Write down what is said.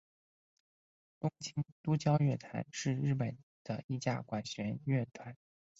东京都交响乐团是日本的一家管弦乐团。